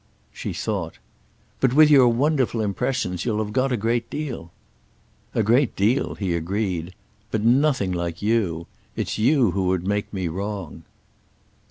She thought. "But with your wonderful impressions you'll have got a great deal." "A great deal"—he agreed. "But nothing like you. It's you who would make me wrong!"